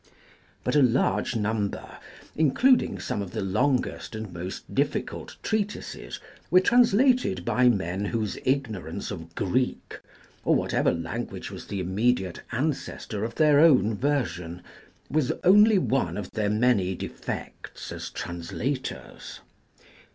But a large number, including some of the longest and most difficult treatises, were translated by men whose ignorance of Greek — or whatever language was the immediate ancestor of their own version — was only one of their many defects as translators.